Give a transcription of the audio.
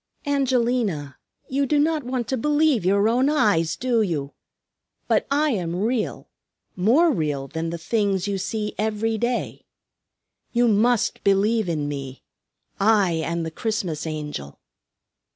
"Angelina, you do not want to believe your own eyes, do you? But I am real; more real than the things you see every day. You must believe in me. I am the Christmas Angel."